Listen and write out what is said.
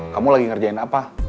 kamu lagi ngerjain apa